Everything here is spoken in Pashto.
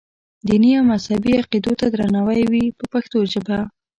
دیني او مذهبي عقیدو ته درناوی وي په پښتو ژبه.